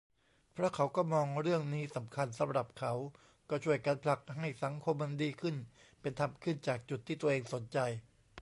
เพราะเขาก็มองเรื่องนี้สำคัญสำหรับเขา ก็ช่วยกันผลักให้สังคมมันดีขึ้นเป็นธรรมขึ้นจากจุดที่ตัวเองสนใจ